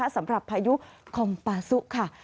สำหรับพายุคอมปาซุค่ะ